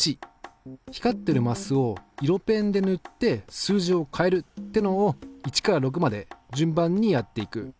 光ってるマスを色ペンで塗って数字を変えるってのを１から６まで順番にやっていく。